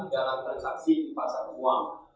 dalam transaksi ke pasar uang